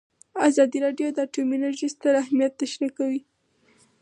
ازادي راډیو د اټومي انرژي ستر اهميت تشریح کړی.